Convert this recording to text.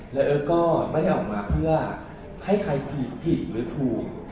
แล้วเอิ๊กก็ไม่ได้ออกมาเพื่อให้ใครผิดผิดหรือถูก